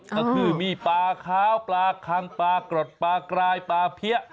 ก็คือมีปลาขาวปลาคังปลากรดปลากรายปลาเพี้ย